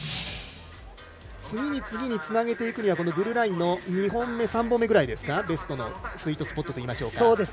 次に、次につなげていくにはブルーラインの２本目、３本目ぐらいですかベストのスイートスポットといいましょうか。